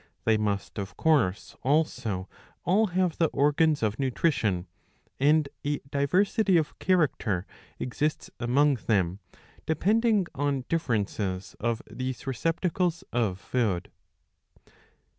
They must of course also all have the organs of nutrition ; and a diversity of character exists among them, depending on differences of these receptacles of food.